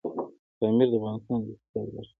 پامیر د افغانستان د اقتصاد برخه ده.